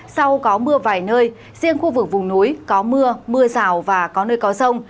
sau có mưa vài nơi riêng khu vực vùng núi có mưa mưa rào và có nơi có rông